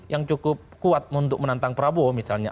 yang cukup kuat untuk menantang prabowo misalnya